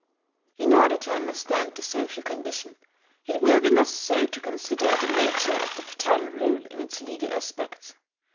In order to understand the social condition, it will be necessary to consider the nature of the paternal rule in its legal aspects.